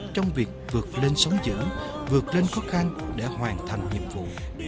trong việc vượt lên sóng giữ vượt lên khó khăn để hoàn thành nhiệm vụ